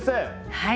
はい。